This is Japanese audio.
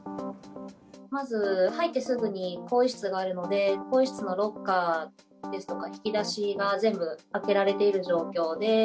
まず、入ってすぐに更衣室があるので、更衣室のロッカーですとか、引き出しが全部開けられている状況で。